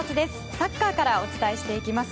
サッカーからお伝えしていきます。